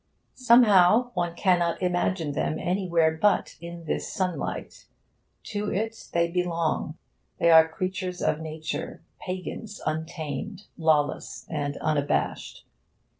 Somehow, one cannot imagine them anywhere but in this sunlight. To it they belong. They are creatures of Nature, pagans untamed, lawless and unabashed.